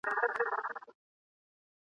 یا مي مړ له دې غوجل څخه بهر کړې !.